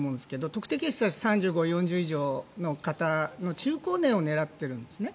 特定健診は３５、４０以上の方の中高年を狙ってるんですね。